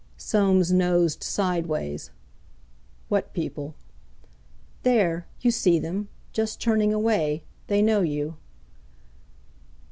Soames nosed sideways. "What people?" "There, you see them; just turning away. They know you."